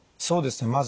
そうですね。